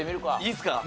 いいですか？